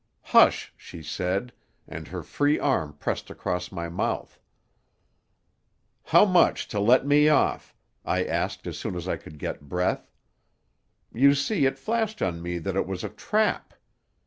"'Hush!' she said, and her free arm pressed across my mouth. "'How much to let me off?' I asked as soon as I could get breath. You see, it flashed on me that it was a trap.